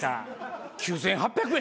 ９，８００円？